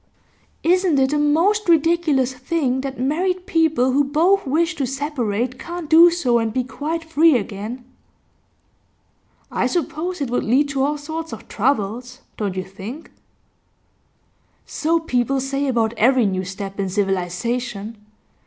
'Isn't it a most ridiculous thing that married people who both wish to separate can't do so and be quite free again?' 'I suppose it would lead to all sorts of troubles don't you think?' 'So people say about every new step in civilisation.